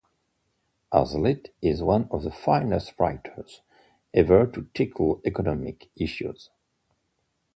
Hazlitt is one of the finest writers ever to tackle economic issues.